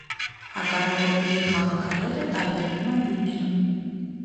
Հակառակորդների խաղաքարերը տարբերվում են գույներով։